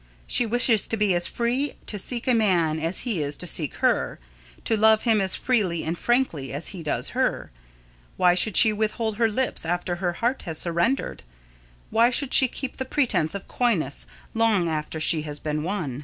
She wishes to be as free to seek a man as he is to seek her to love him as freely and frankly as he does her. Why should she withhold her lips after her heart has surrendered? Why should she keep the pretence of coyness long after she has been won?